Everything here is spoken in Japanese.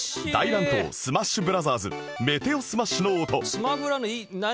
『スマブラ』の何？